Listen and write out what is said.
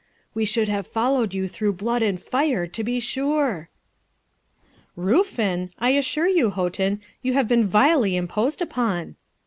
we should have followed you through flood and fire, to be sure.' 'Ruffin! I assure you, Houghton, you have been vilely imposed upon.'